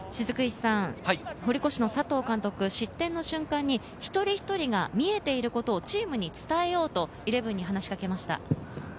堀越の佐藤監督、失点の瞬間に一人一人が見えていることをチームに伝えようとイレブンに話しかけました。